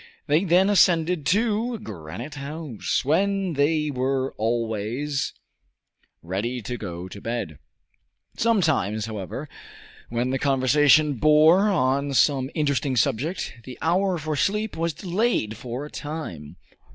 They then ascended to Granite House, when they were always ready to go to bed. Sometimes, however, when the conversation bore on some interesting subject the hour for sleep was delayed for a time.